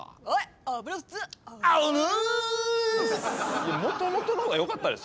いやもともとのほうがよかったですよ